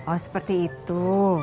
oh seperti itu